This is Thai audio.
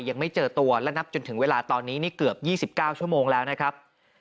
ยังไม่เจอตัวและนับจนถึงเวลาตอนนี้นี่เกือบ๒๙ชั่วโมงแล้วนะครับ